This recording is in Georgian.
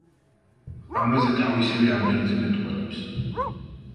ამაზე თავისივე ანდერძი მეტყველებს.